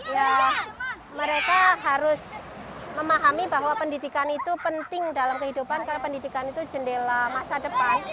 ya mereka harus memahami bahwa pendidikan itu penting dalam kehidupan karena pendidikan itu jendela masa depan